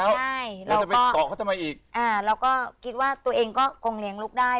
เราจะไปเกาะเขาทำไมอีกอ่าเราก็คิดว่าตัวเองก็คงเลี้ยงลูกได้